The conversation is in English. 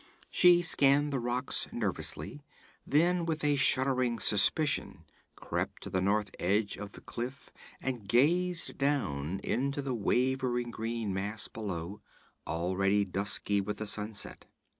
She scanned the rocks nervously, then, with a shuddering suspicion, crept to the north edge of the cliff and gazed down into the waving green mass below, already dusky with the sunset.